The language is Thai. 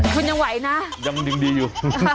คุณยังไหวนะยังดีอยู่